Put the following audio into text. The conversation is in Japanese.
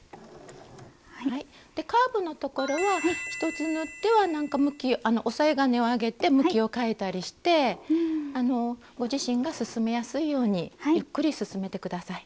でカーブのところは１つ縫っては押さえ金を上げて向きを変えたりしてご自身が進めやすいようにゆっくり進めて下さい。